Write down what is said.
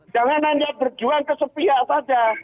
jangan hanya berjuang kesepia saja